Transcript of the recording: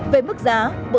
về mức giá